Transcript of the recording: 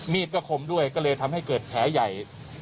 ก็คมด้วยก็เลยทำให้เกิดแผลใหญ่